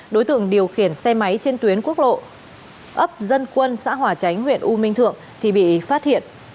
đối tượng điều khiển xe máy trên tuyến quốc lộ ấp dân quân xã hòa chánh huyện u minh thượng thì bị phát hiện